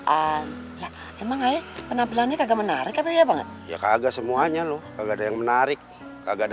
al lemang penampilannya kaga menarik apa apa enggak semuanya loh kagak yang menarik kagak